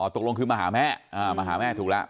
ตกลงคือมาหาแม่มาหาแม่ถูกแล้ว